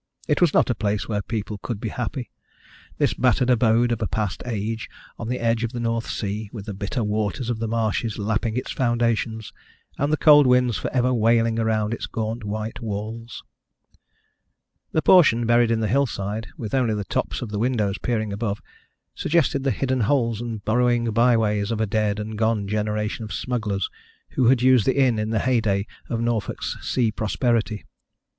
It was not a place where people could be happy this battered abode of a past age on the edge of the North Sea, with the bitter waters of the marshes lapping its foundations, and the cold winds for ever wailing round its gaunt white walls. The portion buried in the hillside, with only the tops of the windows peering above, suggested the hidden holes and burrowing byways of a dead and gone generation of smugglers who had used the inn in the heyday of Norfolk's sea prosperity.